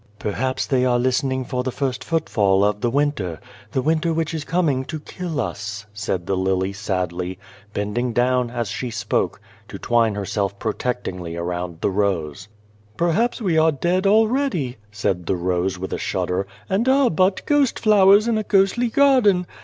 " Perhaps they are listening for the first footfall of the winter the winter which is coming to kill us," said the lily sadly, bending down, as she spoke, to twine herself protect ingly around the rose. " Perhaps we are dead already," said the rose, with a shudder, " and are but ghost flowers in a ghostly garden.